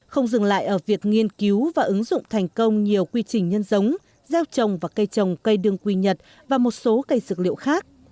không dừng lại ở việc nghiên cứu và ứng dụng thành công nhiều quy trình nhân giống gieo trồng và cây trồng cây đương quy nhật và một số cây dược liệu khác